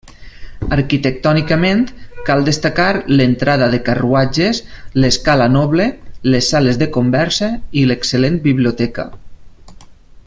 Arquitectònicament cal destacar l'entrada de carruatges, l'escala noble, les sales de conversa i l'excel·lent biblioteca.